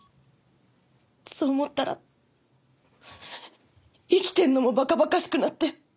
そう思ったら生きてるのも馬鹿馬鹿しくなって！